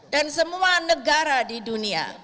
dan semua negara di dunia